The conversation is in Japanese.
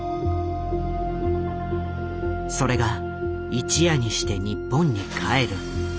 それが一夜にして日本に帰る。